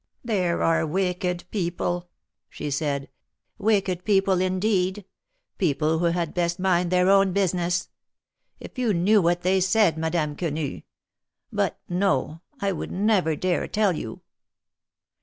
There are wicked people," she said, wicked people indeed! people who had best mind their own business. If you knew what they said, Madame Quenu — but no, I would never dare tell you."